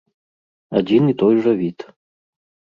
Адзін і той жа від.